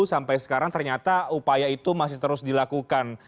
sampai sekarang ternyata upaya itu masih terus dilakukan